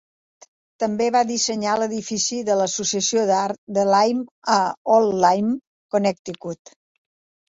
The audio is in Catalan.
Platt també va dissenyar l'edifici de l'Associació d'art de Lyme a Old Lyme, Connecticut.